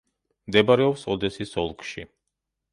მდებარეობს ოდესის ოლქში.